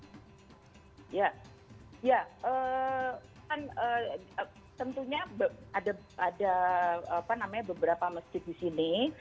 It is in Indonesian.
tentunya ada beberapa masjid di sini